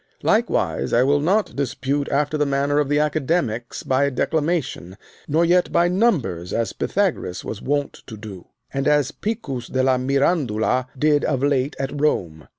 Likewise I will not dispute after the manner of the Academics by declamation; nor yet by numbers, as Pythagoras was wont to do, and as Picus de la Mirandula did of late at Rome.